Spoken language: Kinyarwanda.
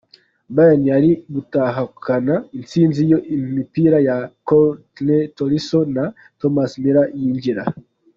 Bayern yari gutahukana intsinzi iyo imipira ya Corentin Tolisso na Thomas Muller yinjira.